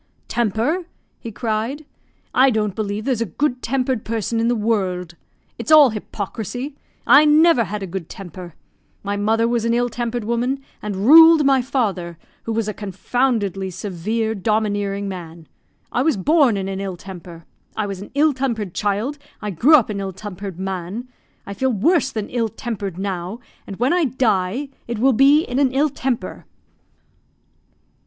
"Temper!" he cried, "I don't believe there's a good tempered person in the world. It's all hypocrisy! I never had a good temper! My mother was an ill tempered woman, and ruled my father, who was a confoundedly severe, domineering man. I was born in an ill temper. I was an ill tempered child; I grew up an ill tempered man. I feel worse than ill tempered now, and when I die it will be in an ill temper."